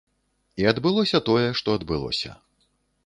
І адбылося тое, што адбылося.